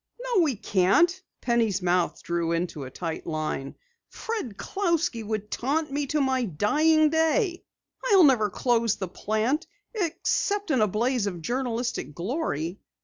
"No, we can't," Penny's mouth drew into a tight line. "Fred Clousky would taunt me to my dying day. I'll never close the plant except in a blaze of journalistic glory!"